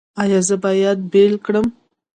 ایا زه باید پیل کړم؟